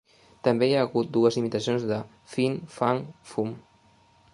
També hi ha hagut dues imitacions de Fin Fang Foom.